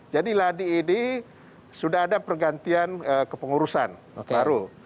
jadi ladi ini sudah ada pergantian kepengurusan baru